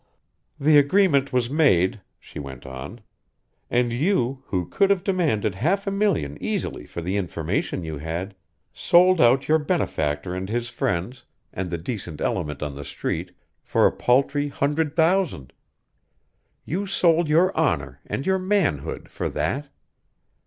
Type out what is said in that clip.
"The agreement was made," she went on. "And you, who could have demanded half a million easily for the information you had, sold out your benefactor and his friends and the decent element on the Street for a paltry hundred thousand! You sold your honor and your manhood for that.